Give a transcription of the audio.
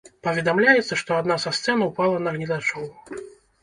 Паведамляецца, што адна са сцэн ўпала на гледачоў.